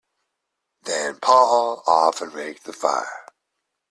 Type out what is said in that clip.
Then Paul often raked the fire.